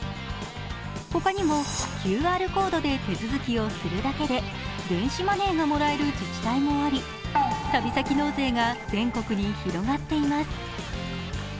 他にもＱＲコードで手続きをするだけで電子マネーがもらえる自治体もあり、旅先納税が全国に広がっています。